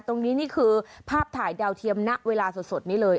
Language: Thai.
ตรงนี้นี่คือภาพถ่ายดาวเทียมหน้าเวลาสดนี่เลย